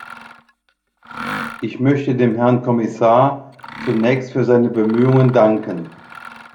Ich möchte dem Herrn Kommissar zunächst für seine Bemühungen danken.